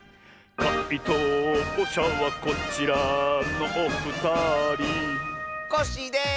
かいとうしゃはこちらのおふたりコッシーです！